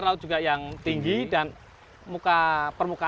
tra platforms yang dibangun ini disampaikan dalam ulang